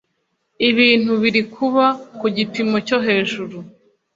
ibintu biri kuba ku gipimo cyo hejuru